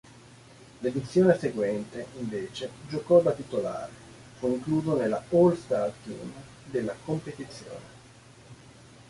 L'edizione seguente invece giocò da titolare fu incluso nell'All-Star team della competizione.